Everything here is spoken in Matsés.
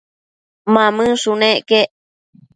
Mamënshunec quec